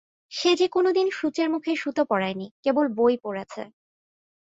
সে যে কোনোদিন সুঁচের মুখে সুতো পরায় নি, কেবল বই পড়েছে।